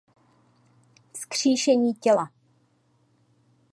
vzkříšení těla